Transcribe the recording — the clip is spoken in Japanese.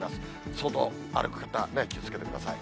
外歩く方、気をつけてください。